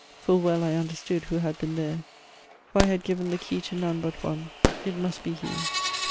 Full well I understood who had been there: For I had given the key to none but one: It must be he.